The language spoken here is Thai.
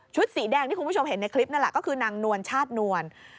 สีแดงที่คุณผู้ชมเห็นในคลิปนั่นแหละก็คือนางนวลชาตินวล